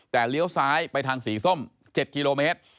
แต่เลี้ยวซ้ายไปทางสีส้ม๗กิโลเมตร